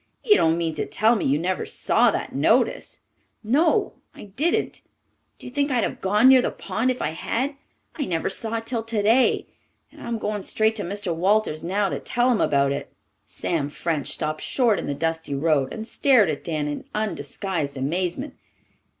You don't mean to tell me you never saw that notice?" "No, I didn't. Do you think I'd have gone near the pond if I had? I never saw it till today, and I'm going straight to Mr. Walters now to tell him about it." Sam French stopped short in the dusty road and stared at Dan in undisguised amazement.